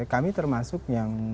kami termasuk yang